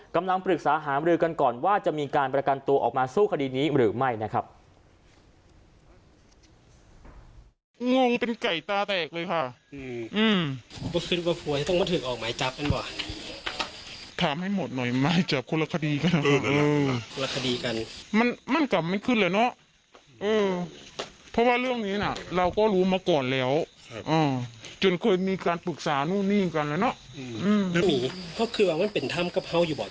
กำลังปรึกษาหามรือกันก่อนว่าจะมีการประกันตัวออกมาสู้คดีนี้หรือไม่นะครับ